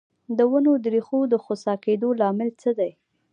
د ونو د ریښو د خوسا کیدو لامل څه دی؟